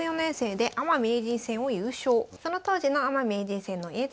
その当時のアマ名人戦の映像がございます。